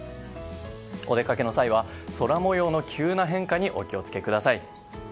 お出かけの際は、空模様の急な変化にお気を付けください。